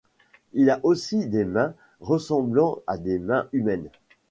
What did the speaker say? Il a aussi des mains ressemblant à des mains humaines.